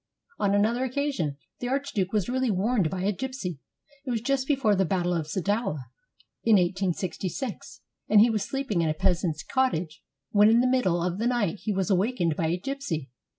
On another occasion the archduke was really warned by a gypsy. It was just before the battle of Sadowa, in 1866, and he was sleeping in a peasant's cottage, when in the middle of the night he was awakened by a gypsy.